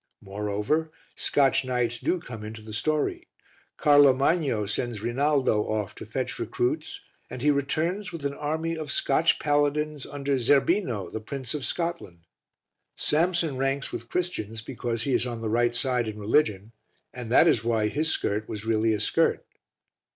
Moreover, Scotch knights do come into the story; Carlo Magno sends Rinaldo off to fetch recruits and he returns with an army of Scotch paladins under Zerbino, the Prince of Scotland. Samson ranks with Christians because he is on the right side in religion and that is why his skirt was really a skirt.